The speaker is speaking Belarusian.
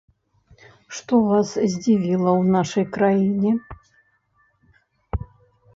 Што вас здзівіла ў нашай краіне?